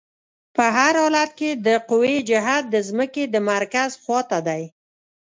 په هر حالت کې د قوې جهت د ځمکې د مرکز خواته دی.